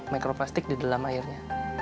mikroplastik di dalam airnya